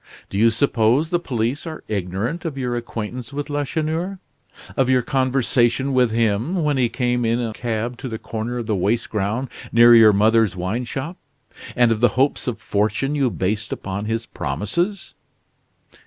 Do you suppose the police are ignorant of your acquaintance with Lacheneur of your conversation with him when he came in a cab to the corner of the waste ground near your mother's wine shop; and of the hopes of fortune you based upon his promises?